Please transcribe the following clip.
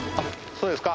そうですか。